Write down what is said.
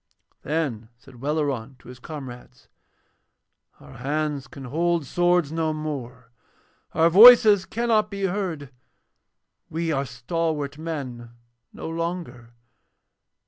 Then said Welleran to his comrades: 'Our hands can hold swords no more, our voices cannot be heard, we are stalwart men no longer.